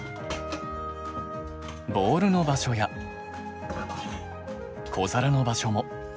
ボウルの場所や小皿の場所も。